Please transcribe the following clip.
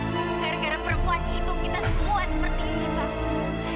karena perempuan itu kita semua seperti ini papa